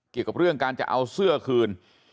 เกี่ยวกับเรื่องการจะเอาเสื้อคืน